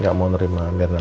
gak mau ne makin